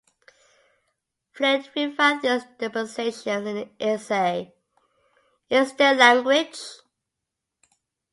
Flynt refined these dispensations in the essay Is there language?